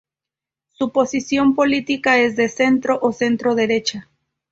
Su posición política es de centro o centro-derecha.